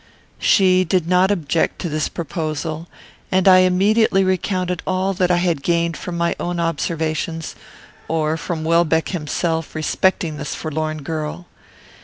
She did not object to this proposal, and I immediately recounted all that I had gained from my own observations, or from Welbeck himself, respecting this forlorn girl.